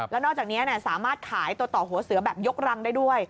แล้วนอกจากนี้สามารถขายตัวต่อหัวเสือแบบยกรังได้ด้วย